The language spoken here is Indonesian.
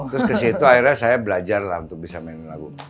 terus kesitu akhirnya saya belajar lah untuk bisa mainin lagu